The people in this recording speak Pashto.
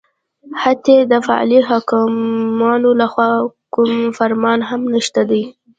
حتی د فعلي حاکمانو لخوا کوم فرمان هم نشته دی